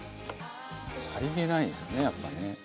さりげないんですよねやっぱね。